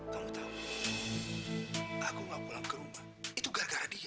kamu tahu aku gak pulang ke rumah itu gara gara dia